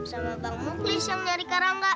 biar bang suhaib sama bang mokris yang nyari karangga